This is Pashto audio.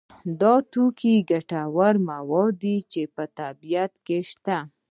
دا توکي ګټور مواد دي چې په طبیعت کې شته.